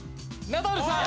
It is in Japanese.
ナダルさん！